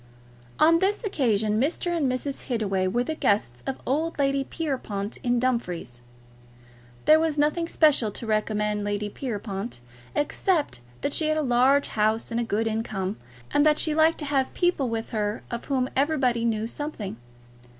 On this occasion Mr. and Mrs. Hittaway were the guests of old Lady Pierrepoint, in Dumfries. There was nothing special to recommend Lady Pierrepoint except that she had a large house and a good income, and that she liked to have people with her of whom everybody knew something.